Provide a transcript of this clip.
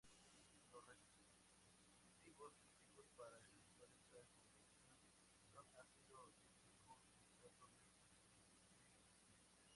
Los reactivos típicos para efectuar esta conversión son ácido nítrico y nitrato de acetilo.